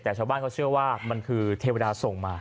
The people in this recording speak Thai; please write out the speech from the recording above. แต่ชาวบ้านเขาเชื่อว่ามันคือเทวดาส่งมา